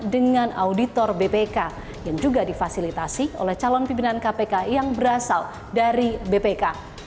dengan auditor bpk yang juga difasilitasi oleh calon pimpinan kpk yang berasal dari bpk